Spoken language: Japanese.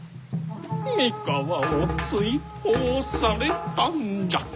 三河を追放されたんじゃ。